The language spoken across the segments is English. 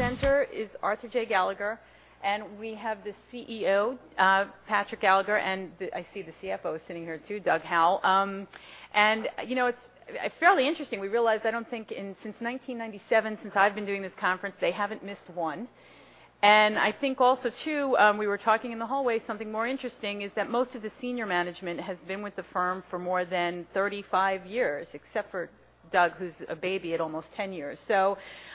Our next presenter is Arthur J. Gallagher, and we have the CEO, Patrick Gallagher, and I see the CFO sitting here, too, Doug Howell. It's fairly interesting, we realized, I don't think since 1997, since I've been doing this conference, they haven't missed one. I think also, too, we were talking in the hallway, something more interesting is that most of the senior management has been with the firm for more than 35 years, except for Doug, who's a baby at almost 10 years.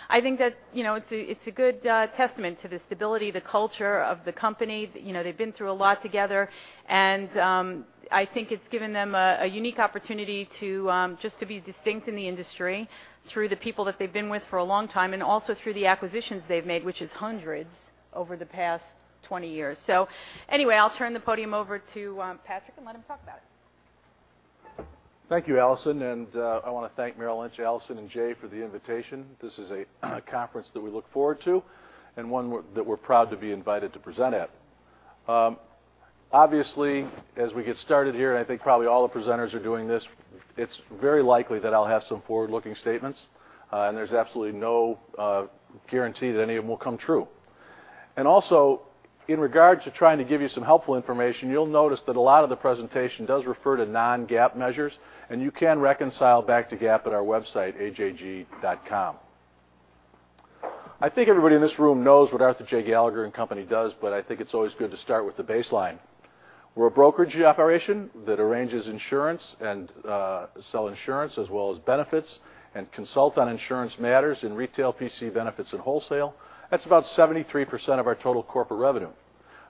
I think that it's a good testament to the stability, the culture of the company. They've been through a lot together. I think it's given them a unique opportunity to just to be distinct in the industry through the people that they've been with for a long time and also through the acquisitions they've made, which is hundreds over the past 20 years. Anyway, I'll turn the podium over to Patrick and let him talk about it. Thank you, Allison, and I want to thank Merrill Lynch, Allison, and Jay for the invitation. This is a conference that we look forward to and one that we're proud to be invited to present at. As we get started here, and I think probably all the presenters are doing this, it's very likely that I'll have some forward-looking statements, and there's absolutely no guarantee that any of them will come true. Also, in regard to trying to give you some helpful information, you'll notice that a lot of the presentation does refer to non-GAAP measures, and you can reconcile back to GAAP at our website, ajg.com. I think everybody in this room knows what Arthur J. Gallagher & Company does, but I think it's always good to start with the baseline. We're a brokerage operation that arranges insurance and sell insurance as well as benefits and consult on insurance matters in retail, P&C benefits, and wholesale. That's about 73% of our total corporate revenue.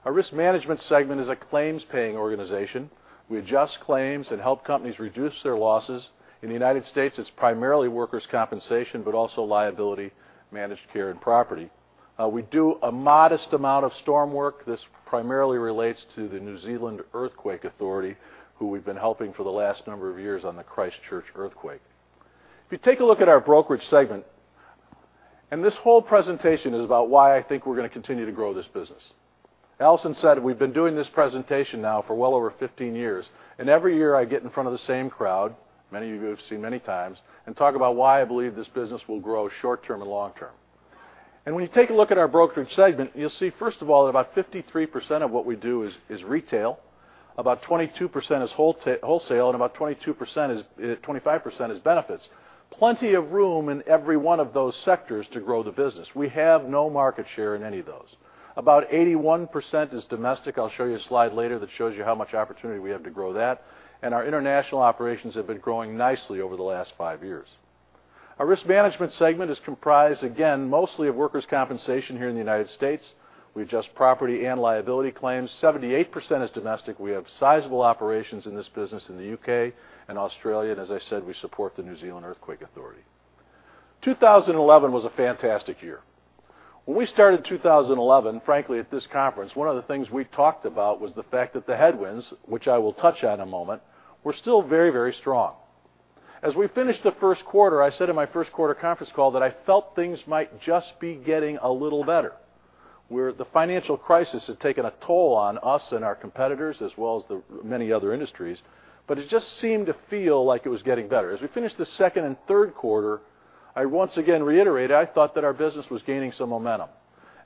Our risk management segment is a claims-paying organization. We adjust claims and help companies reduce their losses. In the U.S., it's primarily workers' compensation, but also liability, managed care, and property. We do a modest amount of storm work. This primarily relates to the New Zealand Earthquake Commission, who we've been helping for the last number of years on the Christchurch earthquake. If you take a look at our brokerage segment, and this whole presentation is about why I think we're going to continue to grow this business. Allison said we've been doing this presentation now for well over 15 years. Every year I get in front of the same crowd, many of you who I've seen many times, and talk about why I believe this business will grow short-term and long-term. When you take a look at our brokerage segment, you'll see, first of all, about 53% of what we do is retail, about 22% is wholesale, and about 25% is benefits. Plenty of room in every one of those sectors to grow the business. We have no market share in any of those. About 81% is domestic. I'll show you a slide later that shows you how much opportunity we have to grow that. Our international operations have been growing nicely over the last five years. Our risk management segment is comprised, again, mostly of workers' compensation here in the United States. We adjust property and liability claims. 78% is domestic. We have sizable operations in this business in the U.K. and Australia. As I said, we support the New Zealand Earthquake Commission. 2011 was a fantastic year. When we started 2011, frankly, at this conference, one of the things we talked about was the fact that the headwinds, which I will touch on in a moment, were still very, very strong. As we finished the first quarter, I said in my first quarter conference call that I felt things might just be getting a little better, where the financial crisis had taken a toll on us and our competitors, as well as the many other industries, but it just seemed to feel like it was getting better. As we finished the second and third quarter, I once again reiterated, I thought that our business was gaining some momentum.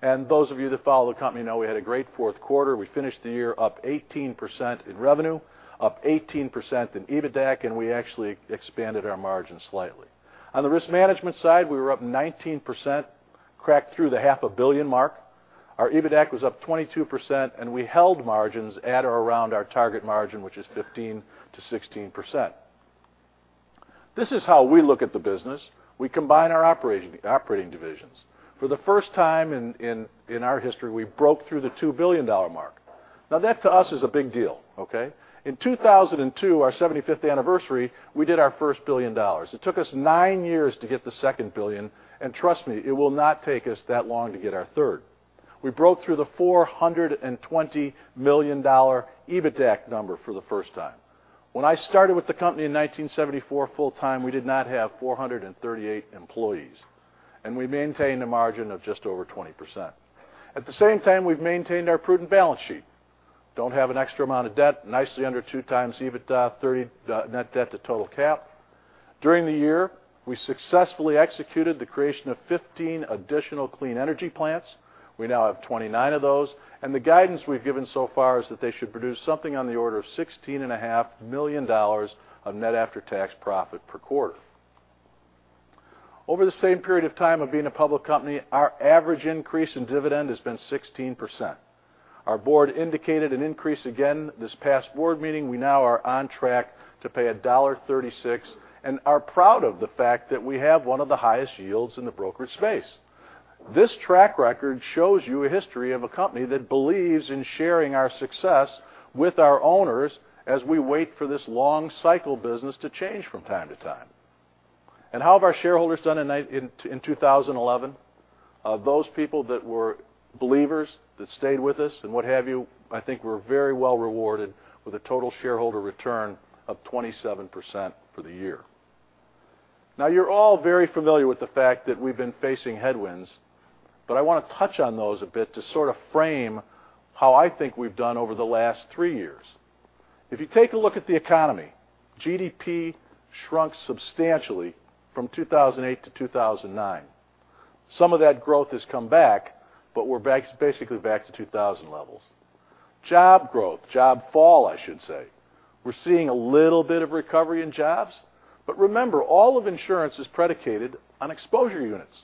Those of you that follow the company know we had a great fourth quarter. We finished the year up 18% in revenue, up 18% in EBITDAC. We actually expanded our margin slightly. On the risk management side, we were up 19%, cracked through the half a billion mark. Our EBITDAC was up 22%, and we held margins at or around our target margin, which is 15%-16%. This is how we look at the business. We combine our operating divisions. For the first time in our history, we broke through the $2 billion mark. Now, that to us is a big deal, okay? In 2002, our 75th anniversary, we did our first billion dollars. It took us nine years to get the second billion, and trust me, it will not take us that long to get our third. We broke through the $420 million EBITDAC number for the first time. When I started with the company in 1974 full-time, we did not have 438 employees. We maintained a margin of just over 20%. At the same time, we've maintained our prudent balance sheet. Don't have an extra amount of debt, nicely under two times EBITDAC, 30 net debt to total cap. During the year, we successfully executed the creation of 15 additional clean energy plants. We now have 29 of those. The guidance we've given so far is that they should produce something on the order of $16.5 million of net after-tax profit per quarter. Over the same period of time of being a public company, our average increase in dividend has been 16%. Our board indicated an increase again this past board meeting. We now are on track to pay $1.36 and are proud of the fact that we have one of the highest yields in the brokerage space. This track record shows you a history of a company that believes in sharing our success with our owners as we wait for this long cycle business to change from time to time. How have our shareholders done in 2011? Those people that were believers, that stayed with us, and what have you, I think were very well rewarded with a total shareholder return of 27% for the year. You're all very familiar with the fact that we've been facing headwinds. I want to touch on those a bit to sort of frame how I think we've done over the last three years. If you take a look at the economy, GDP shrunk substantially from 2008 to 2009. Some of that growth has come back, but we're back basically back to 2000 levels. Job growth, job fall, I should say. We're seeing a little bit of recovery in jobs, but remember, all of insurance is predicated on exposure units.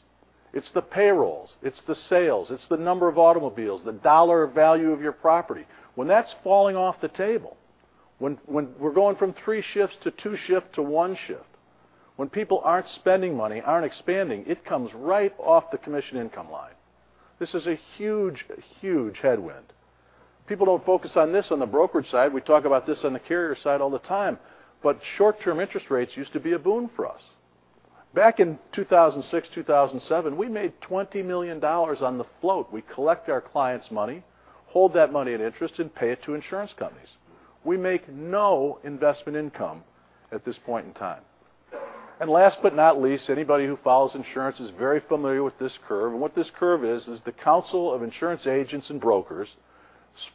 It's the payrolls, it's the sales, it's the number of automobiles, the dollar value of your property. When that's falling off the table, when we're going from three shifts to two shifts to one shift, when people aren't spending money, aren't expanding, it comes right off the commission income line. This is a huge, huge headwind. People don't focus on this on the brokerage side. We talk about this on the carrier side all the time, but short-term interest rates used to be a boon for us. Back in 2006, 2007, we made $20 million on the float. We collect our clients' money, hold that money at interest, and pay it to insurance companies. We make no investment income at this point in time. Last but not least, anybody who follows insurance is very familiar with this curve. What this curve is the Council of Insurance Agents & Brokers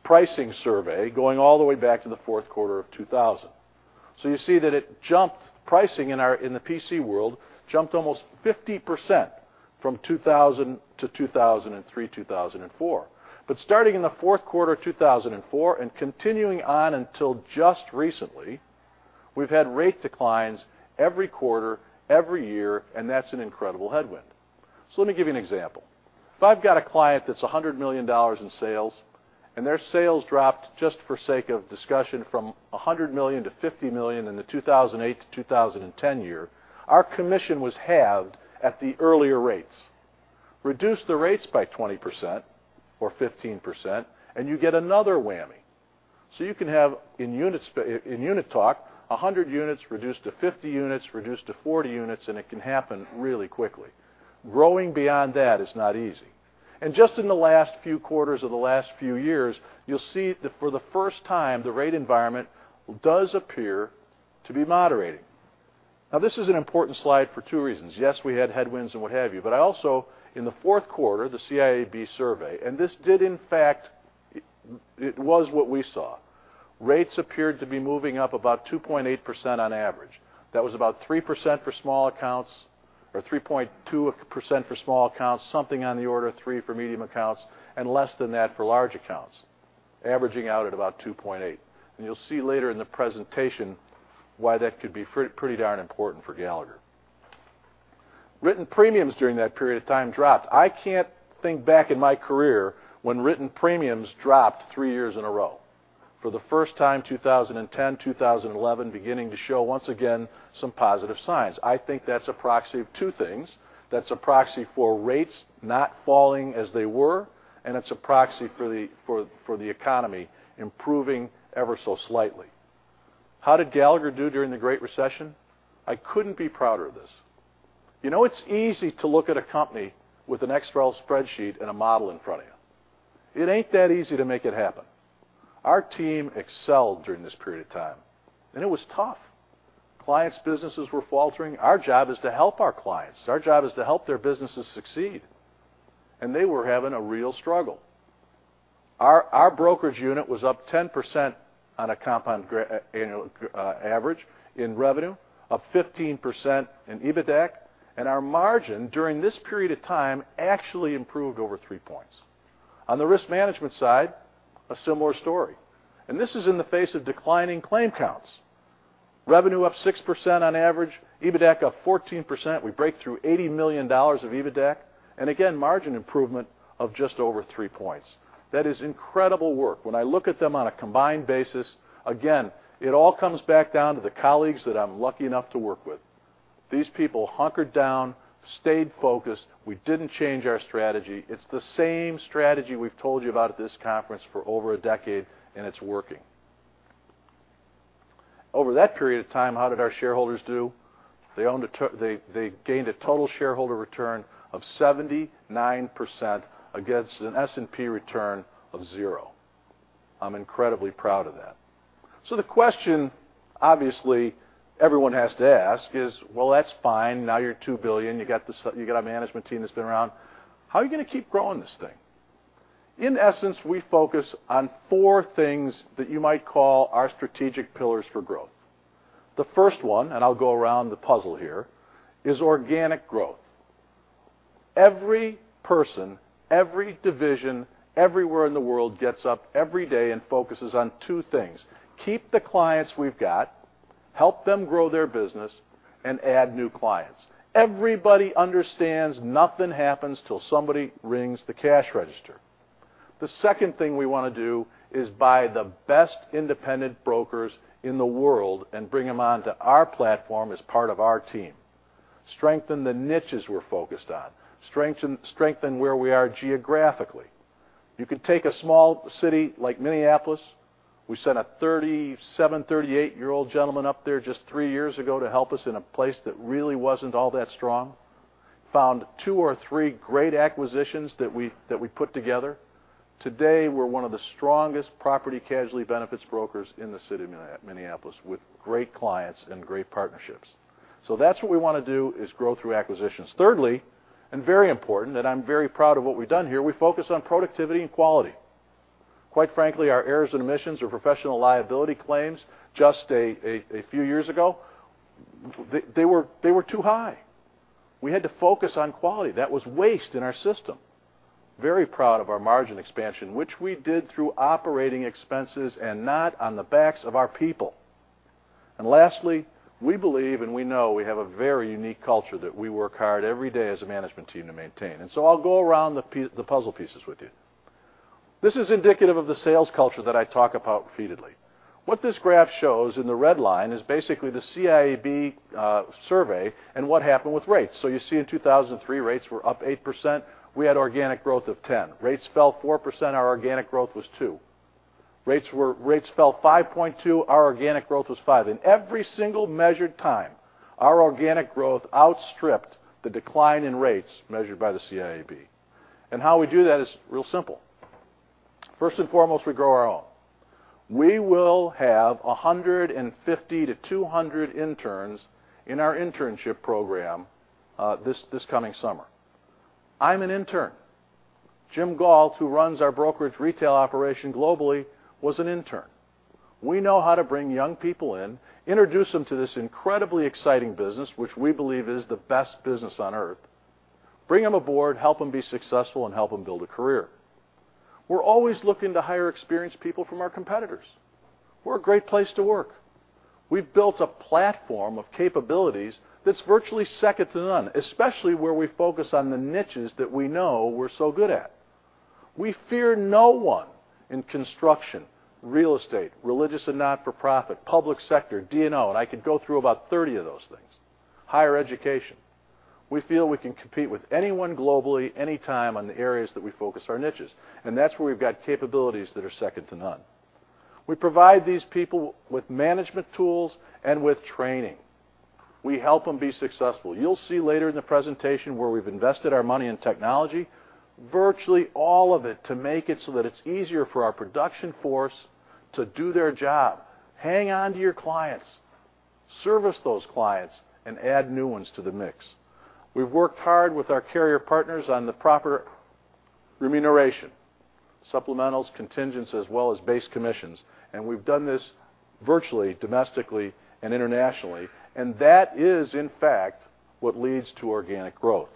pricing survey going all the way back to the fourth quarter of 2000. You see that pricing in the P&C world jumped almost 50% from 2000 to 2003, 2004. Starting in the fourth quarter of 2004 and continuing on until just recently, we've had rate declines every quarter, every year, and that's an incredible headwind. Let me give you an example. If I've got a client that's $100 million in sales and their sales dropped, just for sake of discussion, from 100 million to 50 million in the 2008 to 2010 year, our commission was halved at the earlier rates. Reduce the rates by 20% or 15% and you get another whammy. You can have, in unit talk, 100 units reduced to 50 units, reduced to 40 units, and it can happen really quickly. Growing beyond that is not easy. Just in the last few quarters of the last few years, you'll see that for the first time, the rate environment does appear to be moderating. This is an important slide for two reasons. Yes, we had headwinds and what have you, but also in the fourth quarter, the CIAB survey, and this did in fact, it was what we saw. Rates appeared to be moving up about 2.8% on average. That was about 3% for small accounts, or 3.2% for small accounts, something on the order of 3% for medium accounts, and less than that for large accounts, averaging out at about 2.8%. You'll see later in the presentation why that could be pretty darn important for Gallagher. Written premiums during that period of time dropped. I can't think back in my career when written premiums dropped three years in a row. For the first time, 2010, 2011, beginning to show, once again, some positive signs. I think that's a proxy of two things. That's a proxy for rates not falling as they were, and it's a proxy for the economy improving ever so slightly. How did Gallagher do during the Great Recession? I couldn't be prouder of this. You know, it's easy to look at a company with an Excel spreadsheet and a model in front of you. It ain't that easy to make it happen. Our team excelled during this period of time, and it was tough. Clients' businesses were faltering. Our job is to help our clients. Our job is to help their businesses succeed, and they were having a real struggle. Our brokerage unit was up 10% on a compound annual average in revenue, up 15% in EBITDAC, and our margin during this period of time actually improved over three points. On the risk management side, a similar story, and this is in the face of declining claim counts. Revenue up 6% on average, EBITDAC up 14%. We break through $80 million of EBITDAC, and again, margin improvement of just over three points. That is incredible work. When I look at them on a combined basis, again, it all comes back down to the colleagues that I'm lucky enough to work with. These people hunkered down, stayed focused. We didn't change our strategy. It's the same strategy we've told you about at this conference for over a decade, and it's working. Over that period of time, how did our shareholders do? They gained a total shareholder return of 79% against an S&P return of zero. I'm incredibly proud of that. The question, obviously, everyone has to ask is, well, that's fine. Now you're $2 billion. You got a management team that's been around. How are you going to keep growing this thing? In essence, we focus on four things that you might call our strategic pillars for growth. The first one, I'll go around the puzzle here, is organic growth. Every person, every division, everywhere in the world gets up every day and focuses on two things: keep the clients we've got, help them grow their business, and add new clients. Everybody understands nothing happens till somebody rings the cash register. The second thing we want to do is buy the best independent brokers in the world and bring them onto our platform as part of our team. Strengthen the niches we're focused on. Strengthen where we are geographically. You could take a small city like Minneapolis. We sent a 37, 38-year-old gentleman up there just three years ago to help us in a place that really wasn't all that strong. Found two or three great acquisitions that we put together. Today, we're one of the strongest property casualty benefits brokers in the city of Minneapolis, with great clients and great partnerships. That's what we want to do, is grow through acquisitions. Thirdly, very important, and I'm very proud of what we've done here, we focus on productivity and quality. Quite frankly, our errors and omissions or professional liability claims, just a few years ago, they were too high. We had to focus on quality. That was waste in our system. Very proud of our margin expansion, which we did through operating expenses and not on the backs of our people. Lastly, we believe and we know we have a very unique culture that we work hard every day as a management team to maintain. I'll go around the puzzle pieces with you. This is indicative of the sales culture that I talk about repeatedly. What this graph shows in the red line is basically the CIAB survey and what happened with rates. You see in 2003, rates were up 8%. We had organic growth of 10%. Rates fell 4%, our organic growth was 2%. Rates fell 5.2%, our organic growth was 5%. In every single measured time, our organic growth outstripped the decline in rates measured by the CIAB. How we do that is real simple. First and foremost, we grow our own. We will have 150 to 200 interns in our internship program this coming summer. I'm an intern. Jim Galt, who runs our brokerage retail operation globally, was an intern. We know how to bring young people in, introduce them to this incredibly exciting business, which we believe is the best business on Earth, bring them aboard, help them be successful, and help them build a career. We're always looking to hire experienced people from our competitors. We're a great place to work. We've built a platform of capabilities that's virtually second to none, especially where we focus on the niches that we know we're so good at. We fear no one in construction, real estate, religious and not-for-profit, public sector, D&O, and I could go through about 30 of those things. Higher education. We feel we can compete with anyone globally anytime on the areas that we focus our niches, and that's where we've got capabilities that are second to none. We provide these people with management tools and with training. We help them be successful. You'll see later in the presentation where we've invested our money in technology, virtually all of it to make it so that it's easier for our production force to do their job, hang on to your clients, service those clients, and add new ones to the mix. We've worked hard with our carrier partners on the proper remuneration, supplementals, contingents, as well as base commissions, we've done this virtually domestically and internationally, that is in fact what leads to organic growth.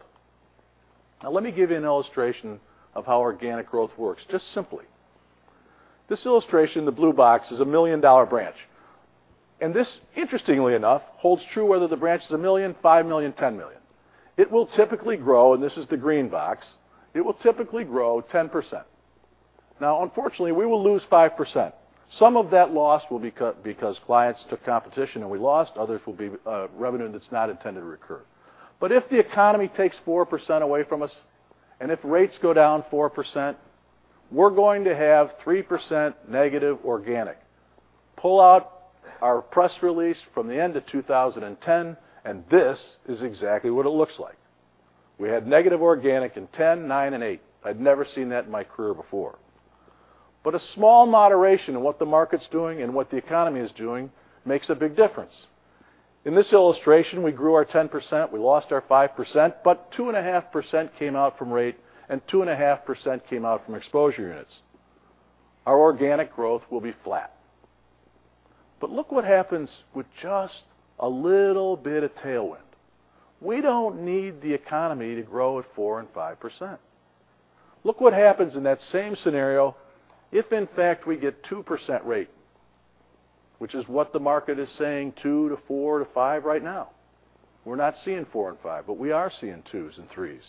Let me give you an illustration of how organic growth works, just simply. This illustration, the blue box, is a $1 million branch. This, interestingly enough, holds true whether the branch is $1 million, $5 million, $10 million. It will typically grow, this is the green box, it will typically grow 10%. Unfortunately, we will lose 5%. Some of that loss will be because clients took competition and we lost. Others will be revenue that's not intended to recur. If the economy takes 4% away from us and if rates go down 4%, we're going to have 3% negative organic. Pull out our press release from the end of 2010. This is exactly what it looks like. We had negative organic in 10, nine, and eight. I'd never seen that in my career before. A small moderation in what the market's doing and what the economy is doing makes a big difference. In this illustration, we grew our 10%, we lost our 5%. 2.5% came out from rate and 2.5% came out from exposure units. Our organic growth will be flat. Look what happens with just a little bit of tailwind. We don't need the economy to grow at four and 5%. Look what happens in that same scenario if, in fact, we get 2% rate, which is what the market is saying, two to four to five right now. We're not seeing four and five, but we are seeing twos and threes.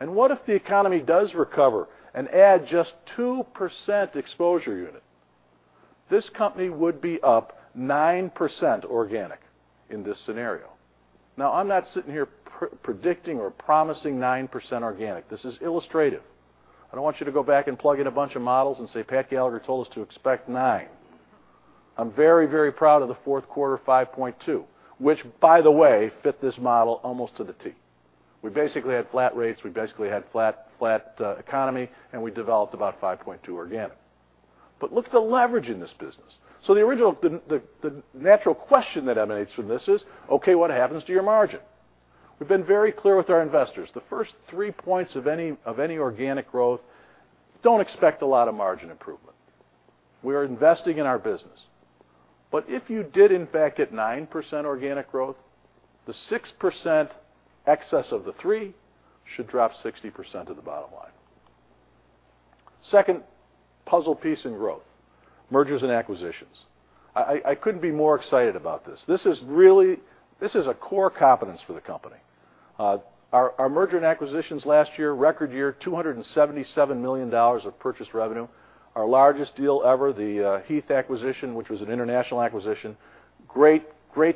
What if the economy does recover and add just 2% exposure unit? This company would be up 9% organic in this scenario. I'm not sitting here predicting or promising 9% organic. This is illustrative. I don't want you to go back and plug in a bunch of models and say, "Pat Gallagher told us to expect nine." I'm very, very proud of the fourth quarter 5.2, which by the way, fit this model almost to the T. We basically had flat rates, we basically had flat economy. We developed about 5.2 organic. Look at the leverage in this business. The natural question that emanates from this is, okay, what happens to your margin? We've been very clear with our investors. The first three points of any organic growth, don't expect a lot of margin improvement. We are investing in our business. If you did in fact get 9% organic growth, the 6% excess of the three should drop 60% of the bottom line. Second puzzle piece in growth, mergers and acquisitions. I couldn't be more excited about this. This is a core competence for the company. Our merger and acquisitions last year, record year, $277 million of purchased revenue. Our largest deal ever, the Heath acquisition, which was an international acquisition. Great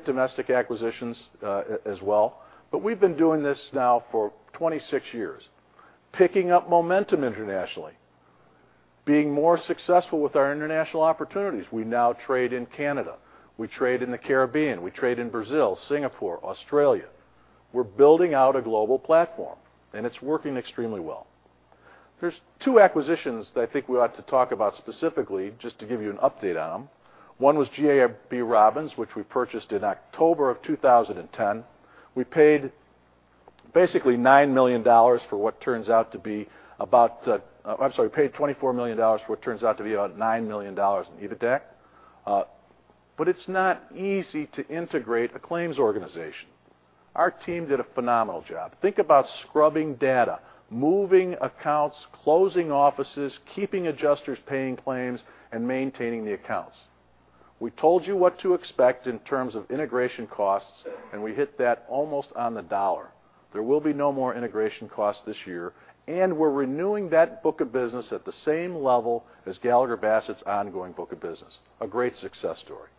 domestic acquisitions as well. We've been doing this now for 26 years, picking up momentum internationally, being more successful with our international opportunities. We now trade in Canada. We trade in the Caribbean. We trade in Brazil, Singapore, Australia. We're building out a global platform. It's working extremely well. There's two acquisitions that I think we ought to talk about specifically, just to give you an update on them. One was GAB Robins, which we purchased in October of 2010. We paid basically $9 million for what turns out to be about. We paid $24 million for what turns out to be about $9 million in EBITDA. It's not easy to integrate a claims organization. Our team did a phenomenal job. Think about scrubbing data, moving accounts, closing offices, keeping adjusters paying claims, maintaining the accounts. We told you what to expect in terms of integration costs. We hit that almost on the dollar. There will be no more integration costs this year. We're renewing that book of business at the same level as Gallagher Bassett's ongoing book of business. A great success story.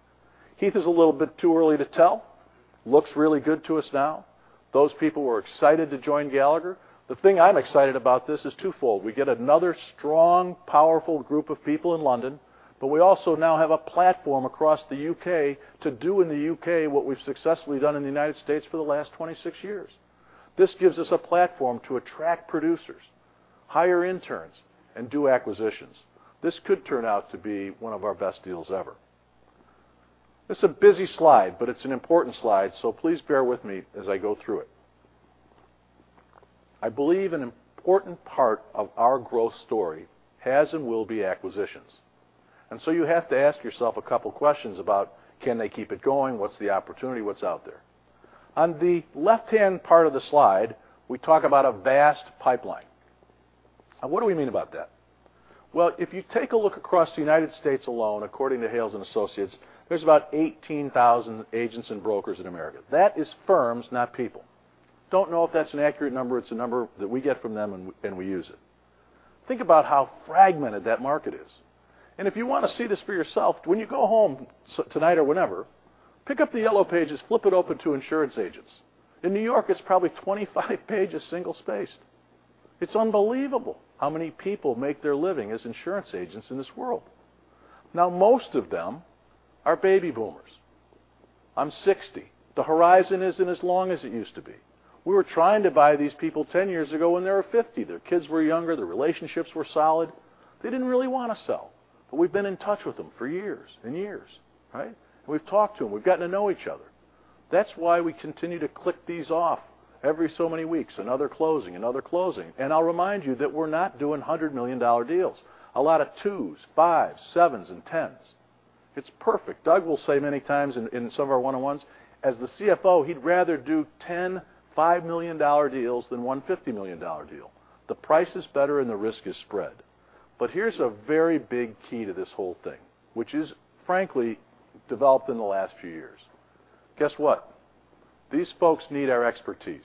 Heath is a little bit too early to tell. Looks really good to us now. Those people were excited to join Gallagher. The thing I'm excited about this is twofold: we get another strong, powerful group of people in London, but we also now have a platform across the U.K. to do in the U.K. what we've successfully done in the U.S. for the last 26 years. This gives us a platform to attract producers, hire interns, and do acquisitions. This could turn out to be one of our best deals ever. It's a busy slide, but it's an important slide, so please bear with me as I go through it. I believe an important part of our growth story has and will be acquisitions. You have to ask yourself a couple questions about, can they keep it going? What's the opportunity? What's out there? On the left-hand part of the slide, we talk about a vast pipeline. What do we mean about that? Well, if you take a look across the U.S. alone, according to Hales & Company, there's about 18,000 agents and brokers in America. That is firms, not people. Don't know if that's an accurate number. It's a number that we get from them and we use it. Think about how fragmented that market is. If you want to see this for yourself, when you go home tonight or whenever, pick up the Yellow Pages, flip it open to insurance agents. In New York, it's probably 25 pages single-spaced. It's unbelievable how many people make their living as insurance agents in this world. Now, most of them are baby boomers. I'm 60. The horizon isn't as long as it used to be. We were trying to buy these people 10 years ago when they were 50. Their kids were younger. Their relationships were solid. They didn't really want to sell. We've been in touch with them for years and years, right? We've talked to them. We've gotten to know each other. That's why we continue to click these off every so many weeks, another closing, another closing. I'll remind you that we're not doing $100 million deals. A lot of two, five, seven, and 10. It's perfect. Doug will say many times in some of our one-on-ones, as the CFO, he'd rather do 10 $5 million deals than one $50 million deal. The price is better, and the risk is spread. Here's a very big key to this whole thing, which is frankly developed in the last few years. Guess what? These folks need our expertise.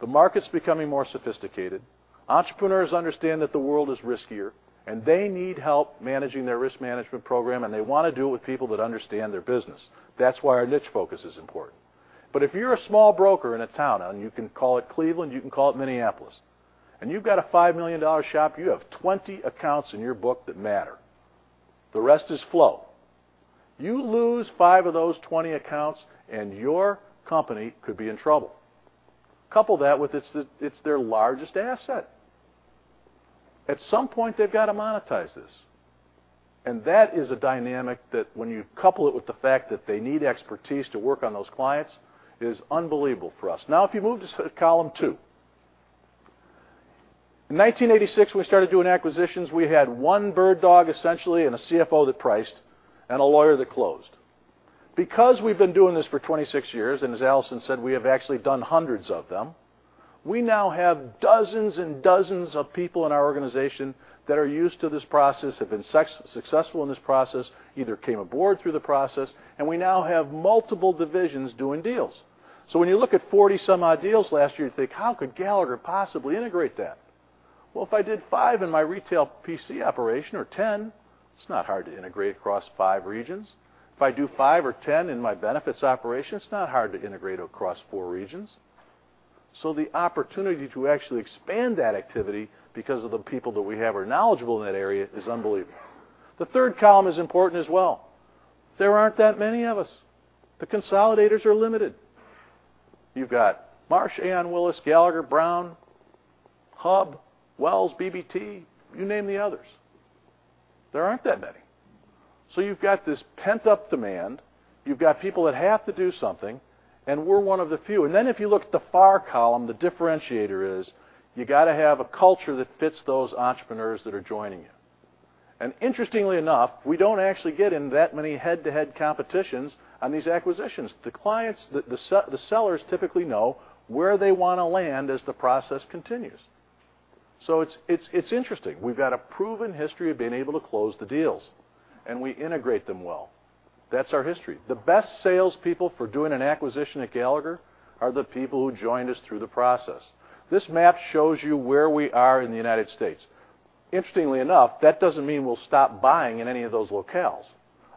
The market's becoming more sophisticated. Entrepreneurs understand that the world is riskier, and they need help managing their risk management program, and they want to do it with people that understand their business. That's why our niche focus is important. If you're a small broker in a town, and you can call it Cleveland, you can call it Minneapolis, and you've got a $5 million shop, you have 20 accounts in your book that matter. The rest is flow. You lose five of those 20 accounts and your company could be in trouble. Couple that with it's their largest asset. At some point, they've got to monetize this, and that is a dynamic that when you couple it with the fact that they need expertise to work on those clients, is unbelievable for us. If you move to column two. In 1986, we started doing acquisitions. We had one bird dog, essentially, and a CFO that priced, and a lawyer that closed. Because we've been doing this for 26 years, and as Allison said, we have actually done hundreds of them, we now have dozens and dozens of people in our organization that are used to this process, have been successful in this process, either came aboard through the process, and we now have multiple divisions doing deals. When you look at 40 some odd deals last year, you think, how could Gallagher possibly integrate that? Well, if I did five in my retail P&C operation or 10, it's not hard to integrate across five regions. If I do five or 10 in my benefits operation, it's not hard to integrate across four regions. The opportunity to actually expand that activity because of the people that we have are knowledgeable in that area is unbelievable. The third column is important as well. There aren't that many of us. The consolidators are limited. You've got Marsh, Aon, Willis, Gallagher, Brown, Hub, Wells, BB&T. You name the others. There aren't that many. If you look at the far column, the differentiator is you got to have a culture that fits those entrepreneurs that are joining you. Interestingly enough, we don't actually get in that many head-to-head competitions on these acquisitions. The sellers typically know where they want to land as the process continues. It's interesting. We've got a proven history of being able to close the deals, and we integrate them well. That's our history. The best salespeople for doing an acquisition at Gallagher are the people who joined us through the process. This map shows you where we are in the U.S. Interestingly enough, that doesn't mean we'll stop buying in any of those locales.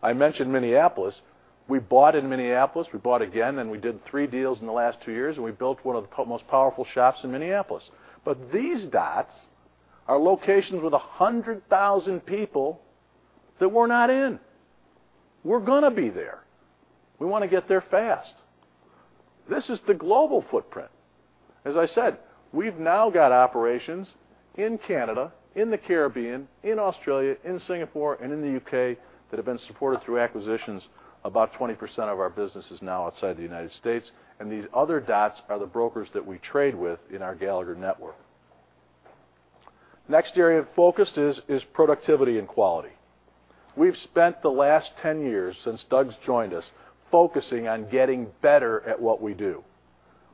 I mentioned Minneapolis. We bought in Minneapolis. We bought again, and we did three deals in the last two years, and we built one of the most powerful shops in Minneapolis. But these dots are locations with 100,000 people that we're not in. We're going to be there. We want to get there fast. This is the global footprint. As I said, we've now got operations in Canada, in the Caribbean, in Australia, in Singapore, and in the U.K. that have been supported through acquisitions. About 20% of our business is now outside the U.S., and these other dots are the brokers that we trade with in our Gallagher network. Next area of focus is productivity and quality. We've spent the last 10 years since Doug's joined us focusing on getting better at what we do.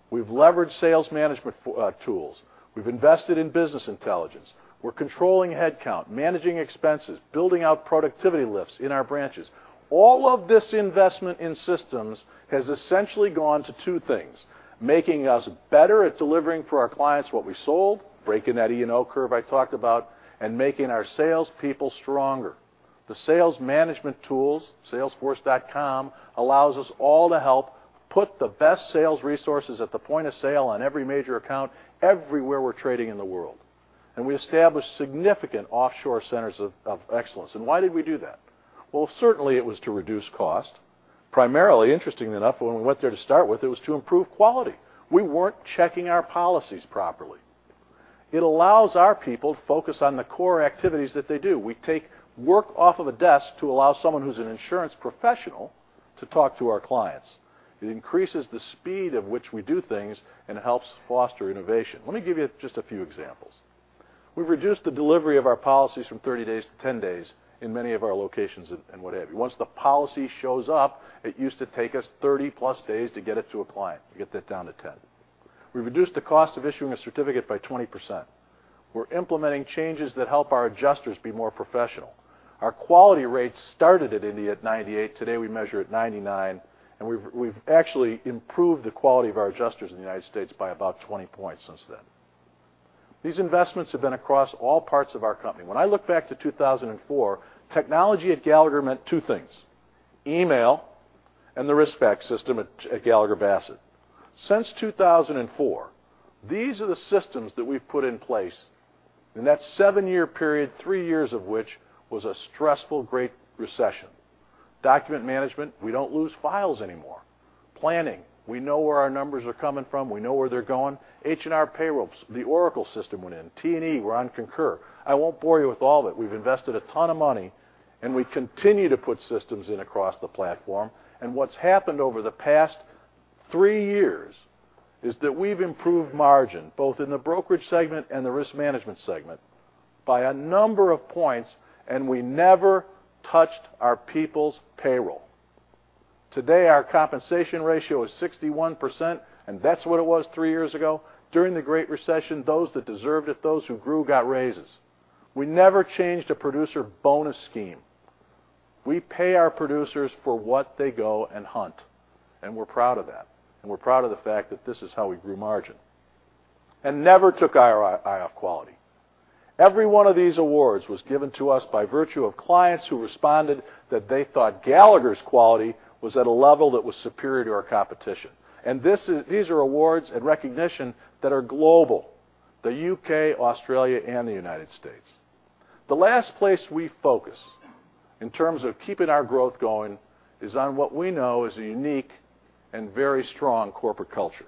We've leveraged sales management tools. We've invested in business intelligence. We're controlling headcount, managing expenses, building out productivity lifts in our branches. All of this investment in systems has essentially gone to two things: making us better at delivering for our clients what we sold, breaking that E&O curve I talked about, and making our salespeople stronger. The sales management tools, salesforce.com, allows us all to help put the best sales resources at the point of sale on every major account everywhere we're trading in the world. And we established significant offshore centers of excellence. Why did we do that? Well, certainly it was to reduce cost. Primarily, interestingly enough, when we went there to start with, it was to improve quality. We weren't checking our policies properly. It allows our people to focus on the core activities that they do. We take work off of a desk to allow someone who's an insurance professional to talk to our clients. It increases the speed at which we do things and helps foster innovation. Let me give you just a few examples. We've reduced the delivery of our policies from 30 days to 10 days in many of our locations and what have you. Once the policy shows up, it used to take us 30-plus days to get it to a client. We get that down to 10. We've reduced the cost of issuing a certificate by 20%. We're implementing changes that help our adjusters be more professional. Our quality rates started at 98, today we measure at 99, and we've actually improved the quality of our adjusters in the U.S. by about 20 points since then. These investments have been across all parts of our company. When I look back to 2004, technology at Gallagher meant two things, email and the RiskFact system at Gallagher Bassett. Since 2004, these are the systems that we've put in place in that seven-year period, three years of which was a stressful great recession. Document management, we don't lose files anymore. Planning, we know where our numbers are coming from, we know where they're going. HR payrolls, the Oracle system went in. T&E, we're on Concur. I won't bore you with all of it. We've invested a ton of money. We continue to put systems in across the platform. What's happened over the past three years is that we've improved margin, both in the brokerage segment and the risk management segment, by a number of points. We never touched our people's payroll. Today, our compensation ratio is 61%, and that's what it was three years ago. During the Great Recession, those that deserved it, those who grew, got raises. We never changed a producer bonus scheme. We pay our producers for what they go and hunt. We're proud of that. We're proud of the fact that this is how we grew margin. Never took our eye off quality. Every one of these awards was given to us by virtue of clients who responded that they thought Gallagher's quality was at a level that was superior to our competition. These are awards and recognition that are global, the U.K., Australia, and the U.S. The last place we focus in terms of keeping our growth going is on what we know is a unique and very strong corporate culture.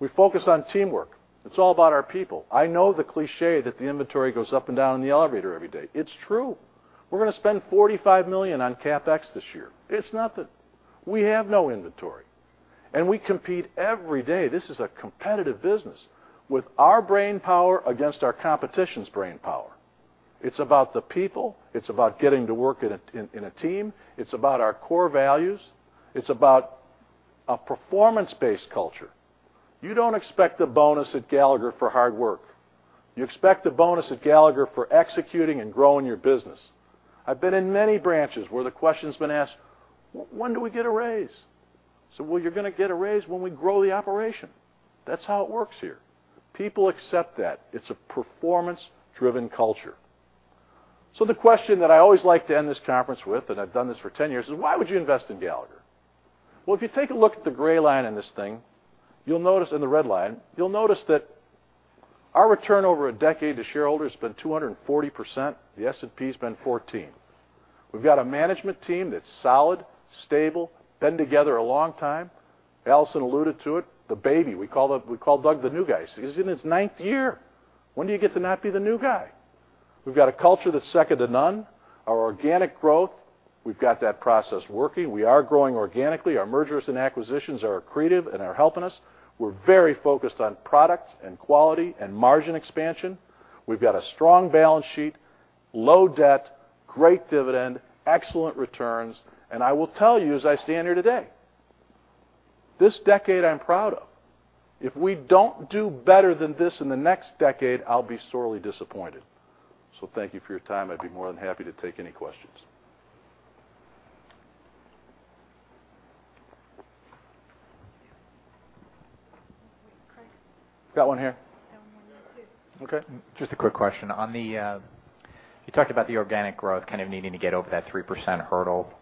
We focus on teamwork. It's all about our people. I know the cliché that the inventory goes up and down in the elevator every day. It's true. We're going to spend $45 million on CapEx this year. It's nothing. We have no inventory. We compete every day, this is a competitive business, with our brainpower against our competition's brainpower. It's about the people. It's about getting to work in a team. It's about our core values. It's about a performance-based culture. You don't expect a bonus at Gallagher for hard work. You expect a bonus at Gallagher for executing and growing your business. I've been in many branches where the question's been asked, "When do we get a raise?" I said, "Well, you're going to get a raise when we grow the operation." That's how it works here. People accept that. It's a performance-driven culture. The question that I always like to end this conference with, and I've done this for 10 years, is why would you invest in Gallagher? Well, if you take a look at the gray line in this thing, and the red line, you'll notice that our return over a decade to shareholders has been 240%. The S&P's been 14. We've got a management team that's solid, stable, been together a long time. Allison alluded to it, the baby. We call Doug the new guy. He's in his ninth year. When do you get to not be the new guy? We've got a culture that's second to none. Our organic growth, we've got that process working. We are growing organically. Our mergers and acquisitions are accretive and are helping us. We're very focused on product and quality and margin expansion. We've got a strong balance sheet, low debt, great dividend, excellent returns, and I will tell you as I stand here today, this decade I'm proud of. If we don't do better than this in the next decade, I'll be sorely disappointed. Thank you for your time. I'd be more than happy to take any questions. Chris. Got one here. Got one here too. Okay. Just a quick question. You talked about the organic growth kind of needing to get over that 3% hurdle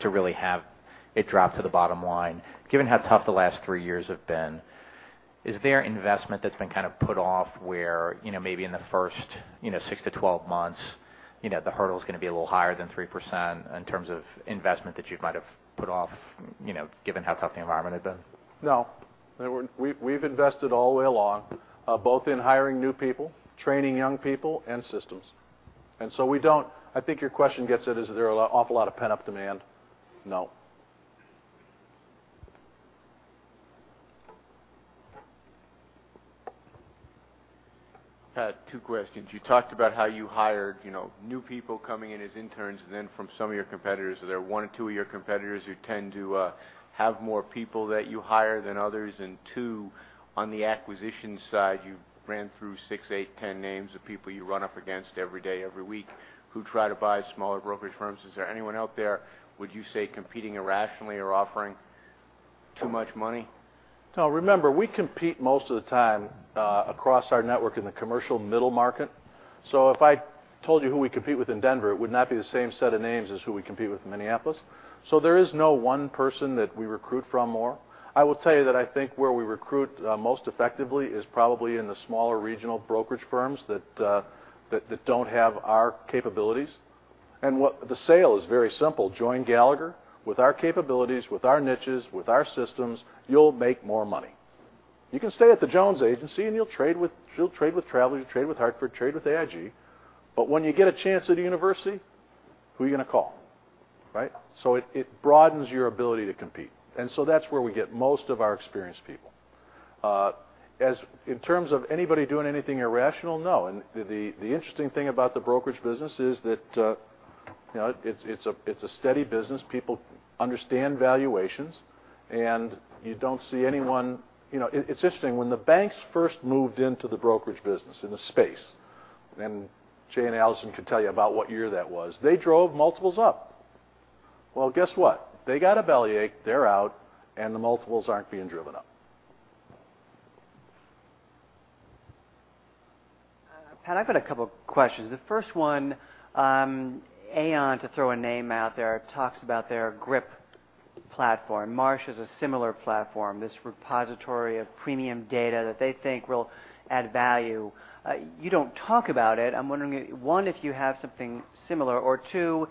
to really have it drop to the bottom line. Given how tough the last three years have been, is there investment that's been kind of put off where maybe in the first 6 to 12 months, the hurdle's going to be a little higher than 3% in terms of investment that you might have put off, given how tough the environment had been? No. We've invested all the way along, both in hiring new people, training young people, and systems. I think your question gets at is there an awful lot of pent-up demand? No. Pat, two questions. You talked about how you hired new people coming in as interns, then from some of your competitors. Are there one or two of your competitors who tend to have more people that you hire than others? Two, on the acquisition side, you ran through six, eight, 10 names of people you run up against every day, every week, who try to buy smaller brokerage firms. Is there anyone out there, would you say, competing irrationally or offering too much money? No, remember, we compete most of the time across our network in the commercial middle market. If I told you who we compete with in Denver, it would not be the same set of names as who we compete with in Minneapolis. There is no one person that we recruit from more. I will tell you that I think where we recruit most effectively is probably in the smaller regional brokerage firms that don't have our capabilities. The sale is very simple. Join Gallagher. With our capabilities, with our niches, with our systems, you'll make more money. You can stay at the Jones Agency and you'll trade with Travelers, you'll trade with The Hartford, trade with AIG. When you get a chance at a university, who are you going to call, right? It broadens your ability to compete. That's where we get most of our experienced people. In terms of anybody doing anything irrational, no. The interesting thing about the brokerage business is that it's a steady business. People understand valuations, you don't see anyone It's interesting. When the banks first moved into the brokerage business, in the space, Jay and Allison could tell you about what year that was, they drove multiples up. Well, guess what? They got a bellyache, they're out, the multiples aren't being driven up. Pat, I've got a couple questions. The first one, Aon, to throw a name out there, talks about their GRIP platform. Marsh has a similar platform. This repository of premium data that they think will add value. You don't talk about it. I'm wondering, one, if you have something similar, or two,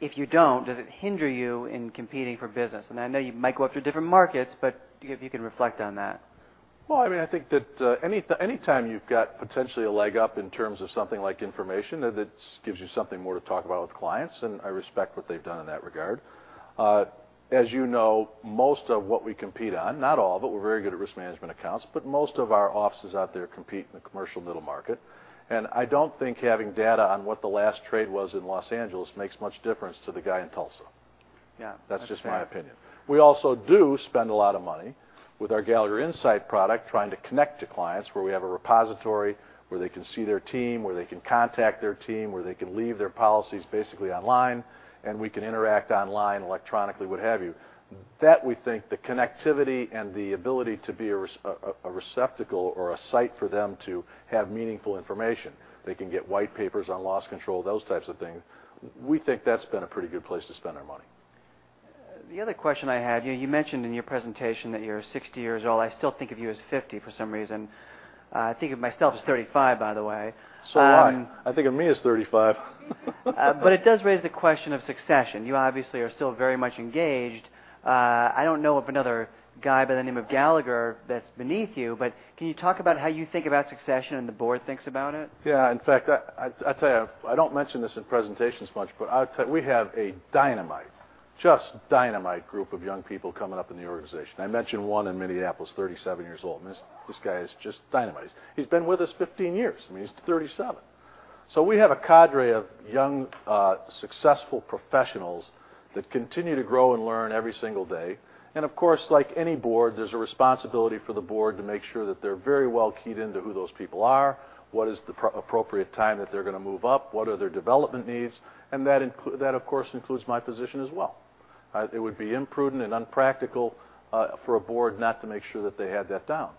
if you don't, does it hinder you in competing for business? I know you might go after different markets, but if you can reflect on that. I think that any time you've got potentially a leg up in terms of something like information, that gives you something more to talk about with clients. I respect what they've done in that regard. As you know, most of what we compete on, not all, but we're very good at risk management accounts, but most of our offices out there compete in the commercial middle market. I don't think having data on what the last trade was in Los Angeles makes much difference to the guy in Tulsa. Yeah. That's just my opinion. We also do spend a lot of money with our Gallagher Insight product, trying to connect to clients, where we have a repository where they can see their team, where they can contact their team, where they can leave their policies basically online, we can interact online, electronically, what have you. That, we think, the connectivity and the ability to be a receptacle or a site for them to have meaningful information. They can get white papers on loss control, those types of things. We think that's been a pretty good place to spend our money. The other question I had, you mentioned in your presentation that you're 60 years old. I still think of you as 50 for some reason. I think of myself as 35, by the way. Do I. I think of me as 35. It does raise the question of succession. You obviously are still very much engaged. I don't know of another guy by the name of Gallagher that's beneath you, but can you talk about how you think about succession and the board thinks about it? In fact, I tell you, I don't mention this in presentations much, but I'll tell you, we have a dynamite, just dynamite group of young people coming up in the organization. I mentioned one in Minneapolis, 37 years old, and this guy is just dynamite. He's been with us 15 years. I mean, he's 37. We have a cadre of young, successful professionals that continue to grow and learn every single day. Of course, like any board, there's a responsibility for the board to make sure that they're very well keyed into who those people are, what is the appropriate time that they're going to move up, what are their development needs, and that, of course, includes my position as well. It would be imprudent and unpractical for a board not to make sure that they had that down.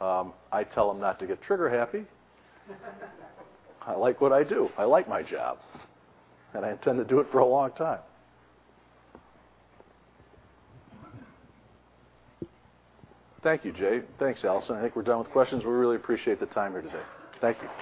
I tell them not to get trigger happy. I like what I do. I like my job. I intend to do it for a long time. Thank you, Jay. Thanks, Allison. I think we're done with questions. We really appreciate the time here today. Thank you.